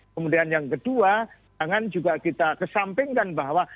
kemudian yang kedua jangan juga kita kesampingkan bahwa